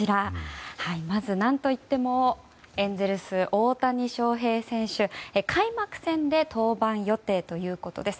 まず何といってもエンゼルス、大谷翔平選手開幕戦で登板予定ということです。